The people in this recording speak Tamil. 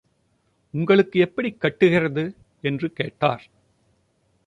உங்களுக்கு எப்படிக் கட்டுகிறது? —என்று கேட்டார்.